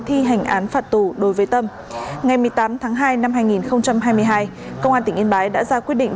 thi hành án phạt tù đối với tâm ngày một mươi tám tháng hai năm hai nghìn hai mươi hai công an tỉnh yên bái đã ra quyết định